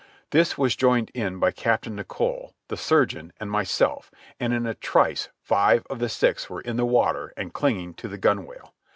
This was joined in by Captain Nicholl, the surgeon, and myself, and in a trice five of the six were in the water and clinging to the gunwale.